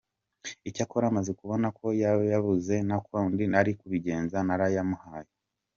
Icyakora maze kubona ko yayabuze nta kundi nari kubigenza narayimuhaye.